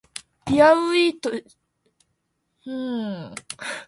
ピアウイ州の州都はテレジーナである